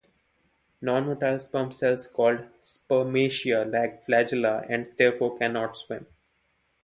Non-motile sperm cells called spermatia lack flagella and therefore cannot swim.